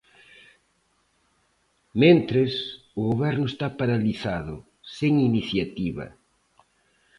Mentres, o Goberno está paralizado, sen iniciativa.